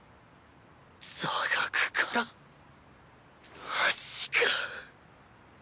座学からマジか